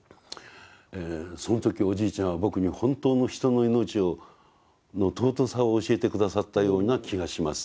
「その時おじいちゃんは僕に本当の人の命の尊さを教えて下さったような気がします」と。